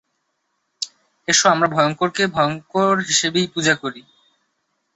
S, আমরা ভয়ঙ্করকে ভয়ঙ্কর হিসাবেই পূজা করি।